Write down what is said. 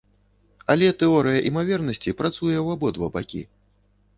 Але тэорыя імавернасці працуе ў абодва бакі.